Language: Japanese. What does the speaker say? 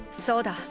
そうだ。